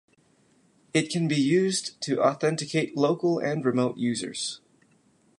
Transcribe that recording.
It can be used to authenticate local and remote users.